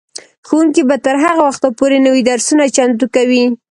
ښوونکي به تر هغه وخته پورې نوي درسونه چمتو کوي.